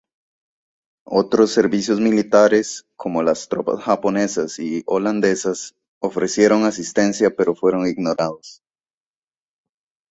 Otros servicios militares, como las tropas japonesas y holandesas, ofrecieron asistencia pero fueron ignorados.